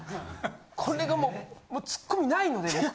これがもうツッコミないので。